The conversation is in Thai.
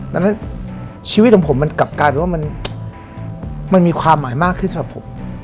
ดังนั้นชีวิตของผมมันกลับกลายเป็นว่ามันมีความหมายมากขึ้นสำหรับผม